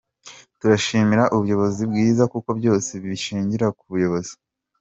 Turashimira ubuyobozi bwiza kuko byose bishingira ku buyobozi.”